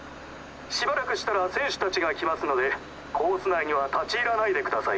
しばらくしたら選手たちが来ますのでコース内には立ち入らないでください。